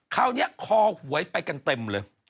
คราวนี้คอหวยไปกันเต็มเลย